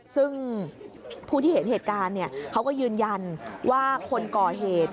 ซึ่งผู้ที่เห็นเหตุการณ์เขาก็ยืนยันว่าคนก่อเหตุ